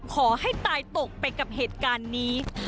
ขอให้ตายตกไปกับเหตุการณ์นี้